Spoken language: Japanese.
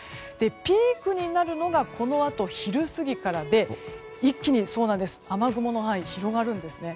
ピークになるのがこのあと昼過ぎからで一気に雨雲の範囲が広がるんですね。